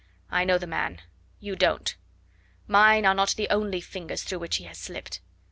I know the man; you don't. Mine are not the only fingers through which he has slipped.